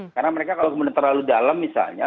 karena mereka kalau kemudian terlalu dalam misalnya